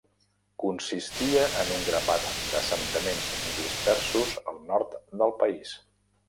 Consistia en un grapat d'assentaments dispersos al nord del país.